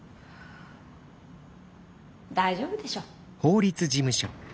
大丈夫でしょ。